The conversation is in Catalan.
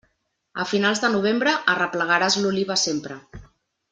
A finals de novembre, arreplegaràs l'oliva sempre.